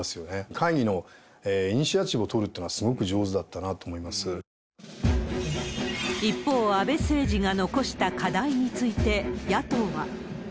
会議のイニシアチブを取るっていうのがすごく上手だったなと思い一方、安倍政治が残した課題について、野党は。